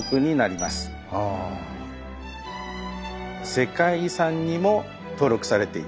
世界遺産にも登録されている。